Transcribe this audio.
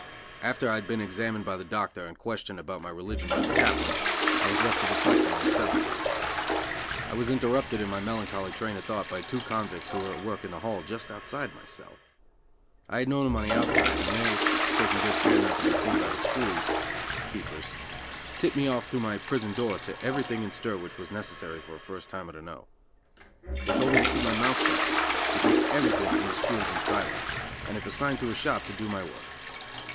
After I had been examined by the doctor and questioned about my religion by the chaplain, I was left to reflect in my cell. I was interrupted in my melancholy train of thought by two convicts who were at work in the hall just outside my cell. I had known them on the outside, and they, taking good care not to be seen by the screws (keepers) tipped me off through my prison door to everything in stir which was necessary for a first timer to know. They told me to keep my mouth shut, to take everything from the screws in silence, and if assigned to a shop to do my work.